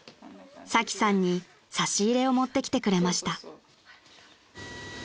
［サキさんに差し入れを持ってきてくれました］